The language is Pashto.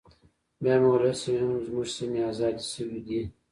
بيا مې وويل هسې هم زموږ سيمې ازادې سوي دي.